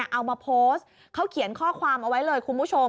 เอามาโพสต์เขาเขียนข้อความเอาไว้เลยคุณผู้ชม